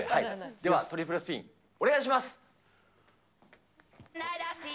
では、トリプルスピンお願いします。